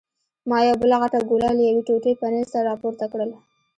ما یوه بله غټه ګوله له یوې ټوټې پنیر سره راپورته کړل.